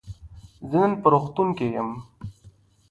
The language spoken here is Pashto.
زه نن په روغتون کی یم.